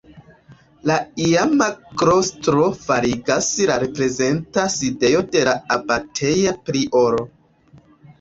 La iama klostro fariĝas la reprezenta sidejo de la abateja prioro.